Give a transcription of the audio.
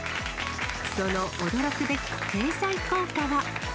その驚くべき経済効果は。